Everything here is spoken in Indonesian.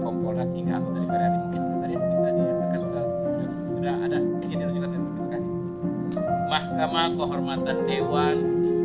mahkamah kohormatan dewan